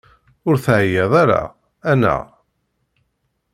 Ur teɛyiḍ ara, annaɣ?